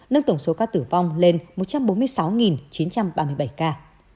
nâng tổng số ca tử vong lên một trăm bốn mươi sáu chín trăm ba mươi bảy ca